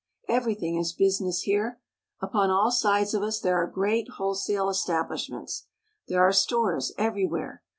Everything is business here. Upon all sides of us there are great wholesale establishments. There are stores everywhere.